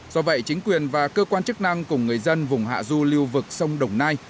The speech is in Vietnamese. do vậy chính quyền và cơ quan chức năng cùng người dân vùng hạ du lưu vực sông đồng nai